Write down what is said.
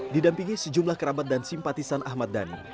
didampingi sejumlah kerabat dan simpatisan ahmad dhani